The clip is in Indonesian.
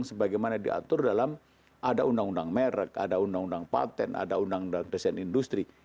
sebagaimana diatur dalam ada undang undang merek ada undang undang patent ada undang undang desain industri